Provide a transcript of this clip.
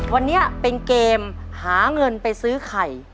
วันนี้เป็นเกมหาเงินไปซื้อไข่